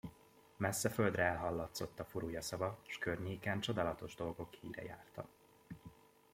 Messze földre elhallatszott a furulya szava, s a környéken csodálatos dolgok híre járta.